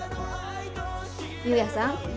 夕也さん